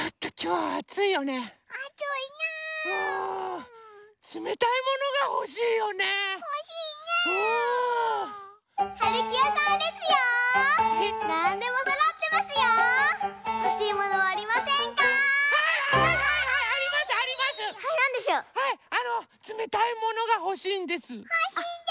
はい。